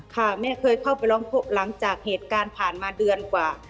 ค่ะแม่เคยเข้าไปร้องพบหลังจากเหตุการณ์ผ่านมาเดือนกว่า